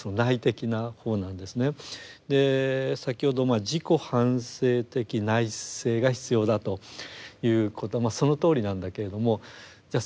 先ほど自己反省的内省が必要だということはまあそのとおりなんだけれどもじゃ